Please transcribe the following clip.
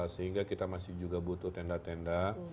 sehingga kita masih juga butuh tenda tenda